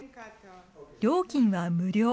料金は無料。